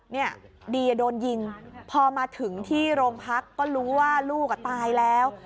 เนี่ยเดียโดนยิงพอมาถึงที่โรงพักก็รู้ว่าลูกอ่ะตายแล้ว